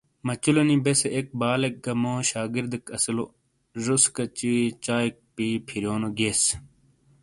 مچلو نی بیسے اک بالیک کا مو شاگرد اسیلو، زوسے کچی چائیک پی پھیریونو گیئیس۔